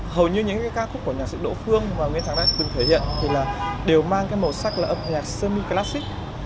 hầu như những ca khúc của nhạc sĩ đỗ phương mà nguyễn thắng đã từng thể hiện đều mang màu sắc là âm nhạc semi classic